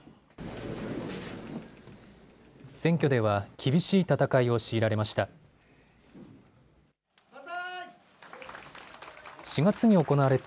選挙では厳しい戦いを強いられました。